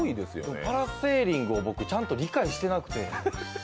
パラセーリングを僕、ちゃんと理解してなくて。